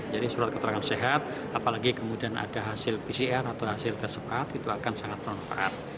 jadi surat keterangan sehat apalagi kemudian ada hasil pcr atau hasil tes cepat itu akan sangat berat